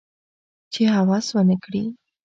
چې هوس ونه کړي